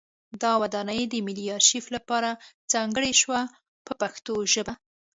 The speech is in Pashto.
دا ودانۍ د ملي ارشیف لپاره ځانګړې شوه په پښتو ژبه.